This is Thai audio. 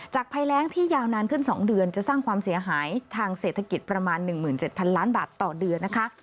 ภัยแรงที่ยาวนานขึ้น๒เดือนจะสร้างความเสียหายทางเศรษฐกิจประมาณ๑๗๐๐ล้านบาทต่อเดือนนะคะ